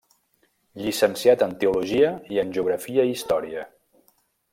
Llicenciat en teologia i en geografia i història.